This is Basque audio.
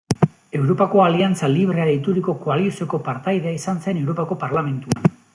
Europako Aliantza Librea deituriko koalizioko partaidea izan zen Europako Parlamentuan.